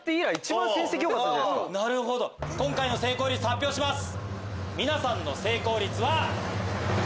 今回の成功率発表します。